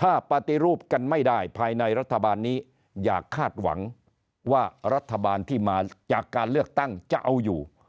ถ้าปฏิรูปกันไม่ได้ภายในรัฐบาลนี้อย่าคาดหวังว่ารัฐบาลที่มาจากการเลือกตั้งจะเอาอยู่